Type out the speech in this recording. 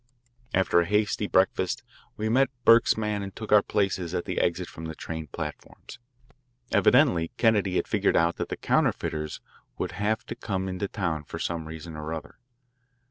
After a hasty breakfast we met Burke's man and took our places at the exit from the train platforms. Evidently Kennedy had figured out that the counterfeiters would have to come into town for some reason or other.